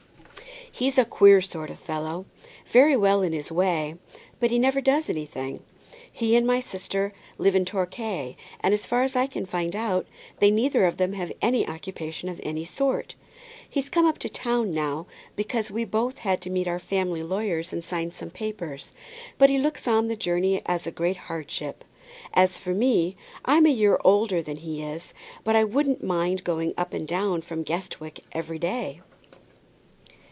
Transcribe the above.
"He's a queer sort of fellow; very well in his way, but he never does anything. He and my sister live at Torquay, and as far as I can find out, they neither of them have any occupation of any sort. He's come up to town now because we both had to meet our family lawyers and sign some papers, but he looks on the journey as a great hardship. As for me, I'm a year older than he is, but I wouldn't mind going up and down from Guestwick every day."